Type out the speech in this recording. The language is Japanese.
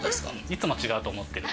いつも違うと思ってる。